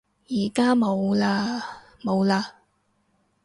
而家冇嘞冇嘞